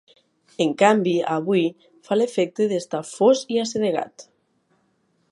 En canvi avui, fa l'efecte d'estar fos i assedegat.